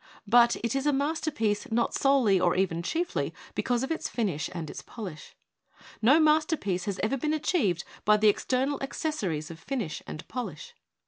But it is a masterpiece not solely or even rlnYlly because of h and its ix)lish. No m, has ever been achieved by the external ac cessories of finish and polish.